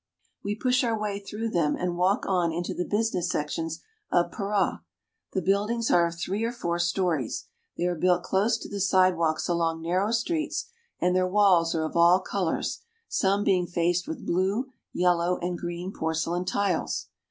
We push our way through them and walk on into the business sections of Para. The buildings are of three or four stories. They are built close to the sidewalks along narrow streets, and their walls are of all colors, some being faced with blue, yellow, and green porcelain tiles.